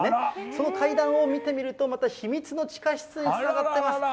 その階段を見てみると、また秘密の地下室につながってます。